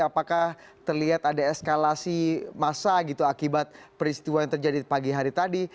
apakah terlihat ada eskalasi massa gitu akibat peristiwa yang terjadi pagi hari tadi